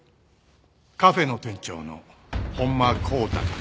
カフェの店長の本間航太だ。